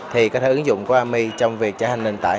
thì có thể ứng dụng của army trong việc trở thành nền tảng